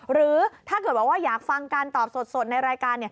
หรือถ้าเกิดว่าอยากฟังการตอบสดในรายการเนี่ย